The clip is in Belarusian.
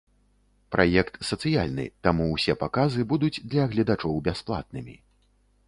Праект сацыяльны, таму ўсе паказы будуць для гледачоў бясплатнымі.